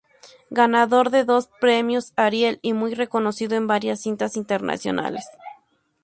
Ganador de dos premios Ariel y muy reconocido en varias cintas internacionales.